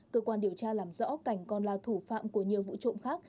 cơ quan điều tra làm rõ cảnh còn là thủ phạm của nhiều vụ trộm khác